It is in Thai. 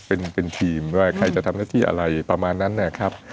เป็นทีมว่าใครจะทำหน้าที่อะไรประมาณนั้นนะครับ